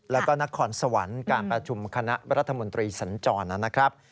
แล้วก็นครสวรรค์การประชุมคณะรัฐมนตรีสัญจรนะครับ